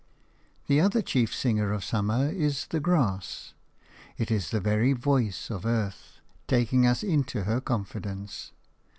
The other chief singer of summer is the grass; it is the very voice of Earth, taking us into her confidence.